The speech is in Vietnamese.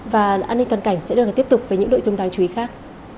và an ninh toàn cảnh sẽ được tiếp tục với những nội dung đáng chú ý khác